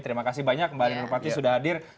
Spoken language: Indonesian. terima kasih banyak mbak anirman pati sudah hadir